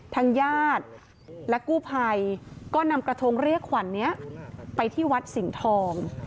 ทางญาติและกู้ภัยก็นำกระทงเรียกขวัญนี้ไปที่วัดสิงห์ทอง